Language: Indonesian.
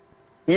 iya menurut saya